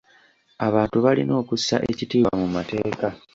Abantu balina okussa ekitiibwwa mu mateeka.